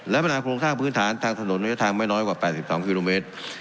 และปัญหาโครงสร้างพื้นฐานทางถนนระยะทางไม่น้อยกว่า๘๒กิโลเมตร